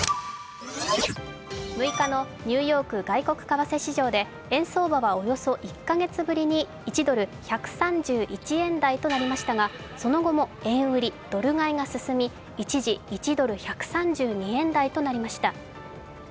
６日のニューヨーク外国為替市場で円相場はおよそ１カ月ぶりに１ドル＝１３１円台となりましたがその後も円売りドル買いが進み、一時１ドル＝１３２円台となりました。